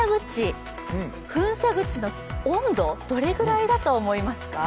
噴射口の温度、どれぐらいだと思いますか？